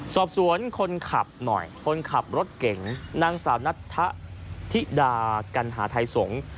สอบสวนคนขับหน่อยคนขับรถเก่งนางสาวนัทธธิดากัณหาไทยสงฆ์